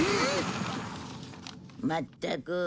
まったく。